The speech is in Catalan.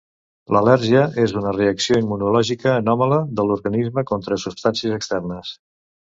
L'al·lèrgia és una reacció immunològica anòmala de l'organisme contra substàncies externes.